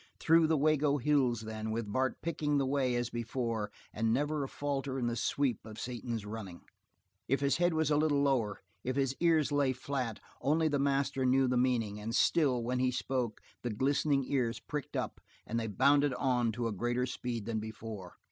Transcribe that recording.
Through the Wago Hills, then, with Bart picking the way as before, and never a falter in the sweep of Satan's running. If his head was a little lower, if his ears lay flat, only the master knew the meaning, and still, when he spoke, the glistening ears pricked up, and they bounded on to a greater speed than before.